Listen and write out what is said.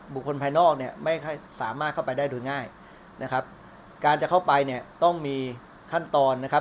คนภายนอกเนี่ยไม่สามารถเข้าไปได้โดยง่ายนะครับการจะเข้าไปเนี่ยต้องมีขั้นตอนนะครับ